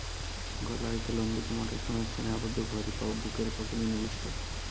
গলা হইতে লম্বিত মোটা সোনার চেনে আবদ্ধ ঘড়ি বুকের পকেটে নিবিষ্ট।